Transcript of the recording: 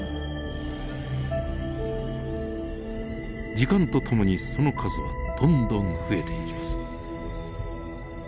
時間とともにその数はどんどん増えていきます。